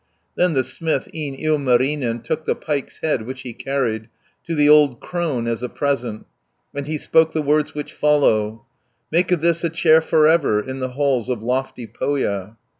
Then the smith, e'en Ilmarinen, Took the pike's head, which he carried, To the old crone as a present, And he spoke the words which follow: "Make of this a chair for ever, In the halls of lofty Pohja."